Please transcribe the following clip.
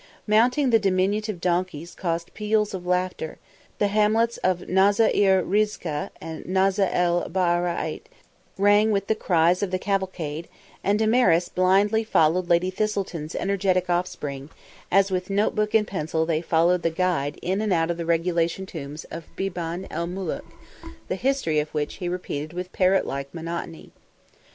Mounting the diminutive donkeys caused peals of laughter; the hamlets of Naza'er Rizkeh and Naza'el Ba'irait rang with the cries of the cavalcade, and Damaris blindly followed Lady Thistleton's energetic offspring, as with note book and pencil they followed the guide in and out of the regulation tombs of Biban el Muluk, the history of which he repeated with parrot like monotony.